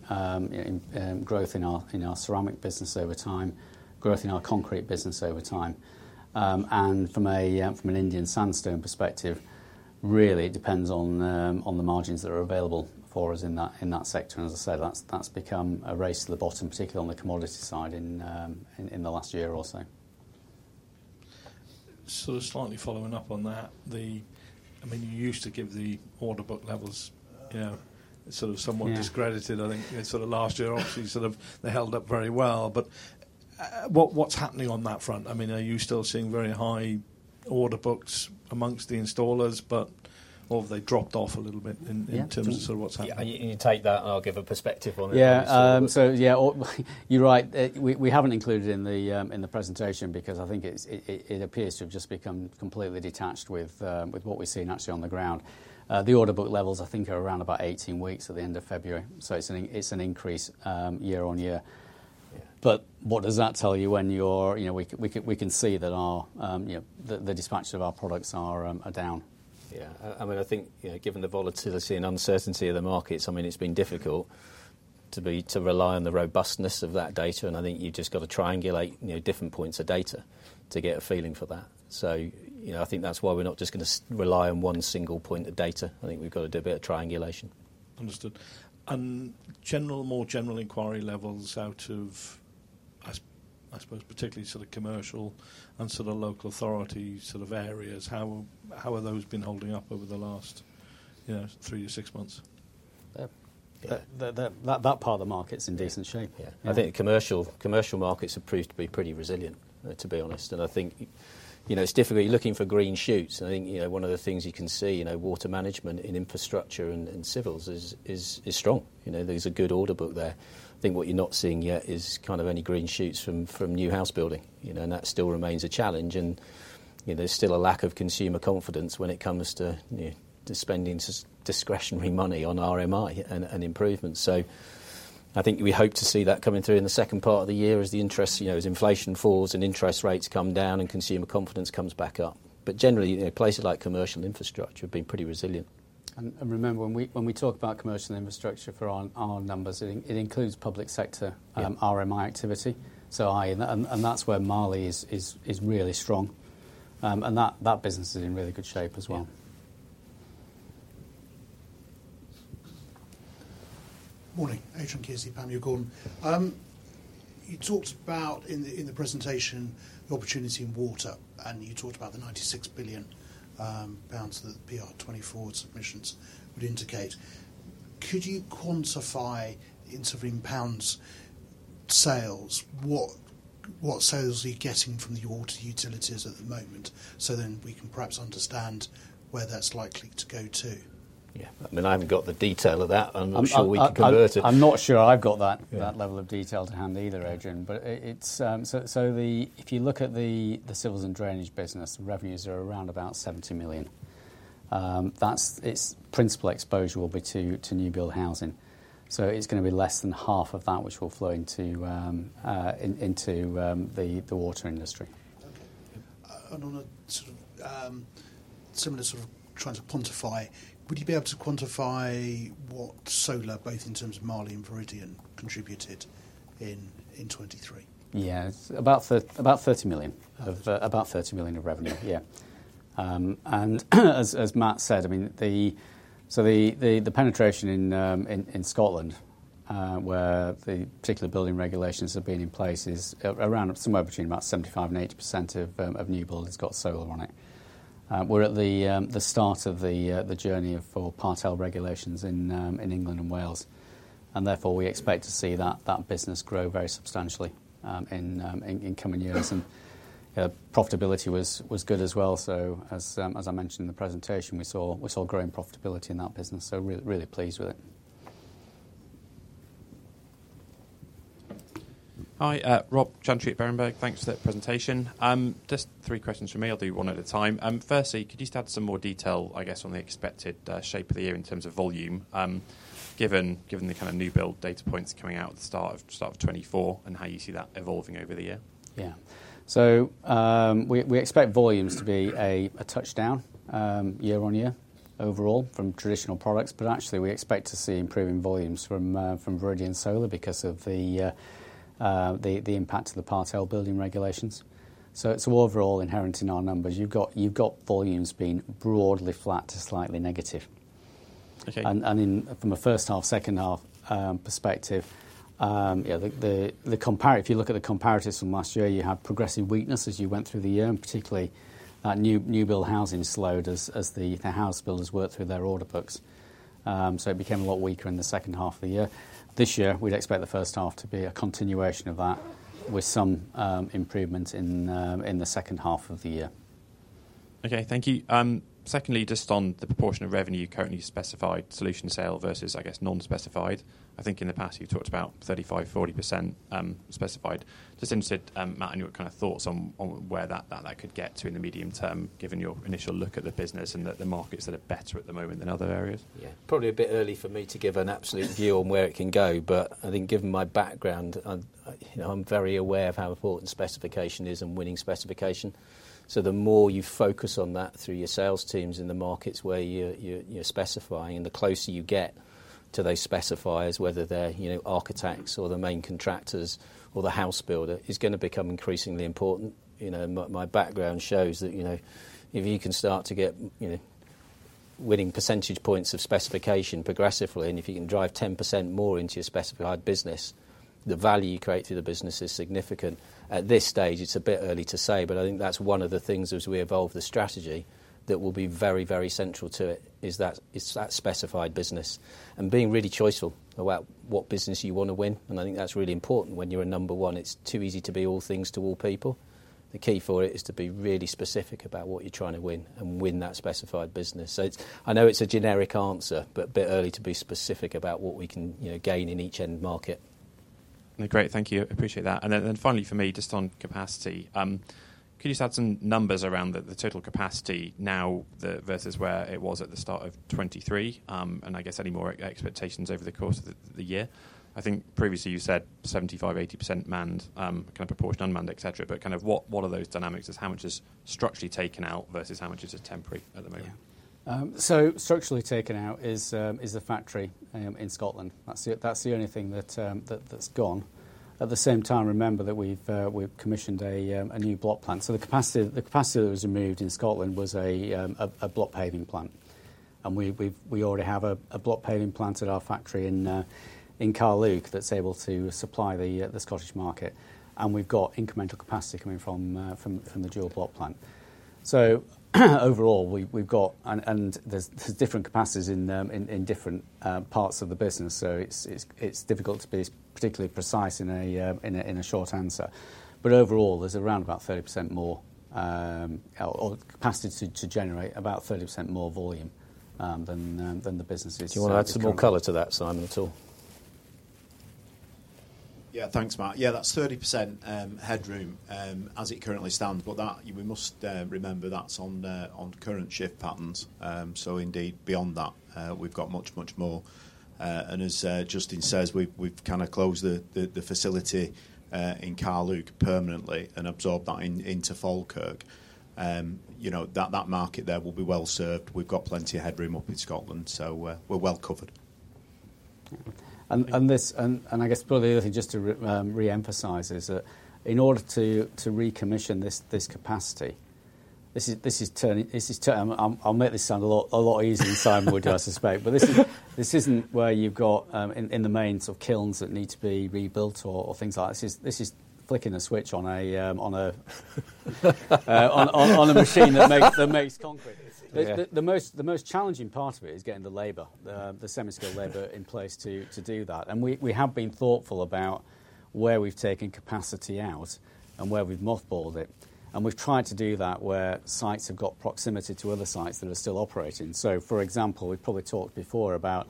growth in our ceramic business over time, growth in our concrete business over time. And from an Indian sandstone perspective, really, it depends on the margins that are available for us in that sector. As I said, that's become a race to the bottom, particularly on the commodity side in the last year or so. Slightly following up on that, I mean, you used to give the order book levels sort of somewhat discredited. I think sort of last year, obviously, sort of they held up very well. But what's happening on that front? I mean, are you still seeing very high order books amongst the installers, or have they dropped off a little bit in terms of sort of what's happening? Yeah. You take that, and I'll give a perspective on it. Yeah. So yeah, you're right. We haven't included it in the presentation because I think it appears to have just become completely detached with what we're seeing actually on the ground. The order book levels, I think, are around about 18 weeks at the end of February. So it's an increase year-on-year. But what does that tell you when we can see that the dispatch of our products are down. Yeah. I mean, I think given the volatility and uncertainty of the markets, I mean, it's been difficult to rely on the robustness of that data. And I think you've just got to triangulate different points of data to get a feeling for that. So I think that's why we're not just going to rely on one single point of data. I think we've got to do a bit of triangulation. Understood. More general inquiry levels out of, I suppose, particularly sort of commercial and sort of local authority sort of areas, how have those been holding up over the last 3-6 months? That part of the market's in decent shape. I think commercial markets have proved to be pretty resilient, to be honest. I think it's difficult. You're looking for green shoots. I think one of the things you can see, water management in infrastructure and civils is strong. There's a good order book there. I think what you're not seeing yet is kind of any green shoots from new house building. That still remains a challenge. There's still a lack of consumer confidence when it comes to spending discretionary money on RMI and improvements. I think we hope to see that coming through in the second part of the year as inflation falls and interest rates come down and consumer confidence comes back up. Generally, places like commercial infrastructure have been pretty resilient. Remember, when we talk about commercial infrastructure for our numbers, it includes public sector RMI activity. That's where Marley is really strong. That business is in really good shape as well. Morning. Adrian Kearsey, Panmure Gordon. You talked about in the presentation the opportunity in water, and you talked about the 96 billion pounds that the PR24 submissions would indicate. Could you quantify in sort of in pounds sales, what sales are you getting from the water utilities at the moment? So then we can perhaps understand where that's likely to go to. Yeah. I mean, I haven't got the detail of that. And I'm sure we can convert it. I'm not sure I've got that level of detail to hand either, Adrian. So if you look at the civils and drainage business, the revenues are around about 70 million. Its principal exposure will be to new-build housing. So it's going to be less than half of that which will flow into the water industry. On a sort of similar sort of trying to quantify, would you be able to quantify what solar, both in terms of Marley and Viridian, contributed in 2023? Yeah. About 30 million of revenue. Yeah. And as Matt said, I mean, so the penetration in Scotland, where the particular building regulations have been in place, is somewhere between about 75%-80% of new buildings got solar on it. We're at the start of the journey for Part L regulations in England and Wales. And therefore, we expect to see that business grow very substantially in coming years. And profitability was good as well. So as I mentioned in the presentation, we saw growing profitability in that business. So really pleased with it. Hi. Rob Chantry at Berenberg. Thanks for that presentation. Just three questions from me. I'll do one at a time. Firstly, could you just add some more detail, I guess, on the expected shape of the year in terms of volume, given the kind of new build data points coming out at the start of 2024 and how you see that evolving over the year? Yeah. So we expect volumes to be a touch down year-on-year overall from traditional products. But actually, we expect to see improving volumes from Viridian Solar because of the impact of the Part L building regulations. So it's all overall inherent in our numbers. You've got volumes being broadly flat to slightly negative. And from a first half, second half perspective, if you look at the comparatives from last year, you had progressive weakness as you went through the year, and particularly new-build housing slowed as the house builders worked through their order books. So it became a lot weaker in the second half of the year. This year, we'd expect the first half to be a continuation of that with some improvements in the second half of the year. Okay. Thank you. Secondly, just on the proportion of revenue currently specified, solution sale versus, I guess, non-specified, I think in the past you've talked about 35%-40% specified. Just interested, Matt, in your kind of thoughts on where that could get to in the medium term, given your initial look at the business and the markets that are better at the moment than other areas? Yeah. Probably a bit early for me to give an absolute view on where it can go. But I think given my background, I'm very aware of how important specification is and winning specification. So the more you focus on that through your sales teams in the markets where you're specifying and the closer you get to those specifiers, whether they're architects or the main contractors or the house builder, it's going to become increasingly important. My background shows that if you can start to get winning percentage points of specification progressively, and if you can drive 10% more into your specified business, the value created through the business is significant. At this stage, it's a bit early to say. I think that's one of the things, as we evolve the strategy, that will be very, very central to it, is that specified business and being really choosy about what business you want to win. I think that's really important. When you're a number one, it's too easy to be all things to all people. The key for it is to be really specific about what you're trying to win and win that specified business. I know it's a generic answer, but a bit early to be specific about what we can gain in each end market. Great. Thank you. Appreciate that. And then finally, for me, just on capacity, could you just add some numbers around the total capacity now versus where it was at the start of 2023 and I guess any more expectations over the course of the year? I think previously you said 75%-80% kind of proportion unmanned, etc. But kind of what are those dynamics? How much is structurally taken out versus how much is just temporary at the moment? So structurally taken out is the factory in Scotland. That's the only thing that's gone. At the same time, remember that we've commissioned a new block plant. So the capacity that was removed in Scotland was a block paving plant. And we already have a block paving plant at our factory in Carluke that's able to supply the Scottish market. And we've got incremental capacity coming from the dual block plant. So overall, we've got and there's different capacities in different parts of the business. So it's difficult to be particularly precise in a short answer. But overall, there's around about 30% more capacity to generate about 30% more volume than the business is. Do you want to add some more color to that, Simon Bourne? Yeah. Thanks, Matt. Yeah. That's 30% headroom as it currently stands. But we must remember that's on current shift patterns. So indeed, beyond that, we've got much, much more. And as Justin says, we've kind of closed the facility in Carluke permanently and absorbed that into Falkirk. That market there will be well served. We've got plenty of headroom up in Scotland. So we're well covered. And I guess probably the other thing just to reemphasize is that in order to recommission this capacity, this is turning. I'll make this sound a lot easier, Simon, would you, I suspect. But this isn't where you've got, in the main, sort of kilns that need to be rebuilt or things like that. This is flicking a switch on a machine that makes concrete. The most challenging part of it is getting the semi-skilled labor in place to do that. And we have been thoughtful about where we've taken capacity out and where we've mothballed it. And we've tried to do that where sites have got proximity to other sites that are still operating. So for example, we've probably talked before about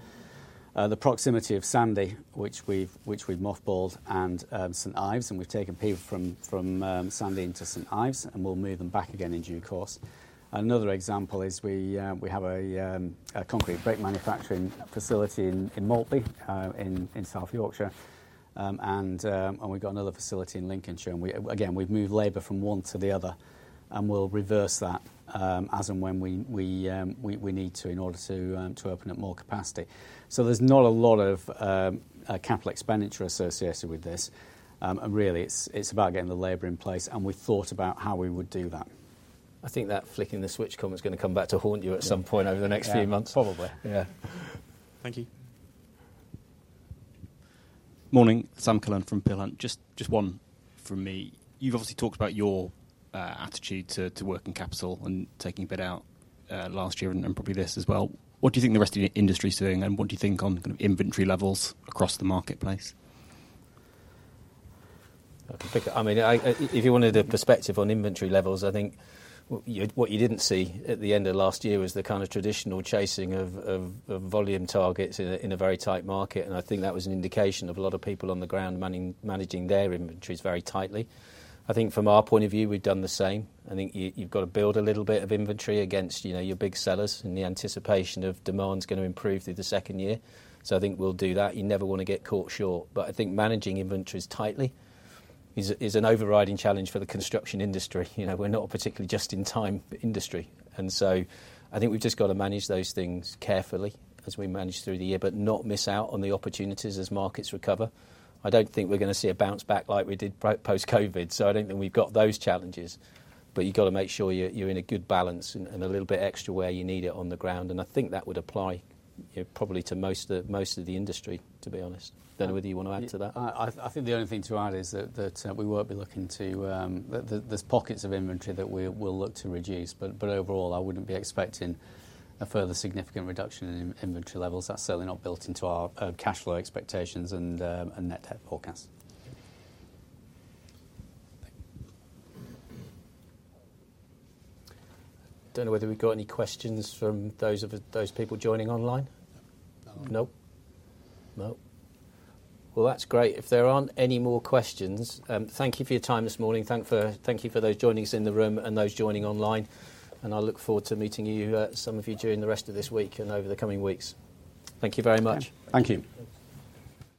the proximity of Sandy, which we've mothballed, and St Ives. And we've taken people from Sandy into St Ives. We'll move them back again in due course. Another example is we have a concrete brick manufacturing facility in Maltby in South Yorkshire. We've got another facility in Lincolnshire. Again, we've moved labor from one to the other. We'll reverse that as and when we need to in order to open up more capacity. So there's not a lot of capital expenditure associated with this. Really, it's about getting the labor in place. We thought about how we would do that. I think that flicking the switch comment's going to come back to haunt you at some point over the next few months. Yeah. Thank you. Morning. Sam Cullen from Peel Hunt, just one from me. You've obviously talked about your attitude to working capital and taking a bit out last year and probably this as well. What do you think the rest of the industry is doing? And what do you think on kind of inventory levels across the marketplace? I mean, if you wanted a perspective on inventory levels, I think what you didn't see at the end of last year was the kind of traditional chasing of volume targets in a very tight market. I think that was an indication of a lot of people on the ground managing their inventories very tightly. I think from our point of view, we've done the same. I think you've got to build a little bit of inventory against your big sellers in the anticipation of demand's going to improve through the second year. I think we'll do that. You never want to get caught short. I think managing inventories tightly is an overriding challenge for the construction industry. We're not a particularly just-in-time industry. And so I think we've just got to manage those things carefully as we manage through the year, but not miss out on the opportunities as markets recover. I don't think we're going to see a bounce back like we did post-COVID. So I don't think we've got those challenges. But you've got to make sure you're in a good balance and a little bit extra where you need it on the ground. And I think that would apply probably to most of the industry, to be honest. Whether you want to add to that? I think the only thing to add is that we won't be looking to. There's pockets of inventory that we'll look to reduce. But overall, I wouldn't be expecting a further significant reduction in inventory levels. That's certainly not built into our cash flow expectations and net debt forecast. I don't know whether we've got any questions from those people joining online. Nope. Well, that's great. If there aren't any more questions, thank you for your time this morning. Thank you for those joining us in the room and those joining online. And I look forward to meeting some of you during the rest of this week and over the coming weeks. Thank you very much. Thank you.